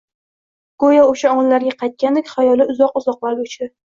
Go`yo o`sha onlarga qaytgandek xayoli uzoq-uzoqlarga uchdi